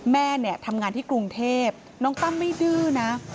แม่เนี่ยทำงานที่กรุงเทพน้องตั้มไม่ดื้อนะ